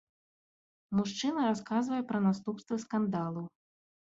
Мужчына расказвае пра наступствы скандалу.